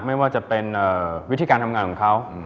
ไม่ว่าจะเป็นวิธีการทำงานของเขา